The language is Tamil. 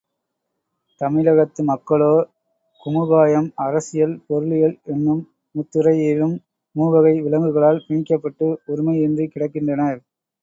தமிழகத்து மக்களோ குமுகாயம், அரசியல், பொருளியல் எனும் முத்துறையிலும் மூவகை விலங்குகளால் பிணிக்கப்பட்டு, உரிமையின்றிக் கிடக்கின்றனர்.